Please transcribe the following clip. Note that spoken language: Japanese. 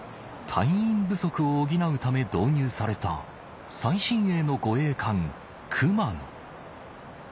隊員不足を補うため導入された最新鋭の護衛艦「くまの」